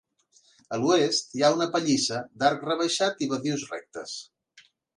A oest hi ha una pallissa d'arc rebaixat i badius rectes.